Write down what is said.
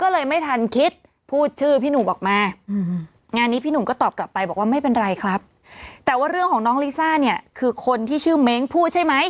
เรื่องของน้องลิซ่าเนี่ยคือคนที่ชื่อเม้งพูดใช่ไหม